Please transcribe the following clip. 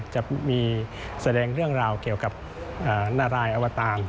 จะมีแสดงเรื่องราวเกี่ยวกับนารายอวตาร